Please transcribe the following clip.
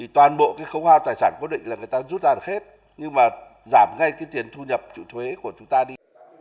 toàn bộ khấu hoa tài sản quyết định là người ta rút ra được hết nhưng mà giảm ngay tiền thu nhập trụ thuế của chúng ta đi